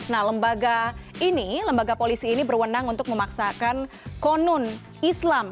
nah lembaga ini lembaga polisi ini berwenang untuk memaksakan konun islam